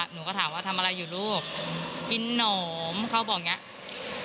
หนูก็ถามว่าทำอะไรอยู่ลูกกินหนมเขาบอกอย่างเงี้ย